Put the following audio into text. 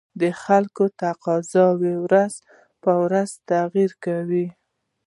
د خلکو تقاتضا ورځ په ورځ تغير کوي